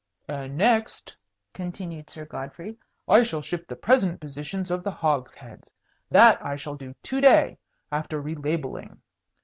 "And next," continued Sir Godfrey, "I shall shift the present positions of the hogsheads. That I shall do to day, after relabelling.